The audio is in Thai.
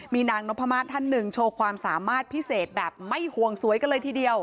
มีนางนพมาศท่านหนึ่งโชว์ความสามารถพิเศษแบบไม่ห่วงสวยกันเลยทีเดียว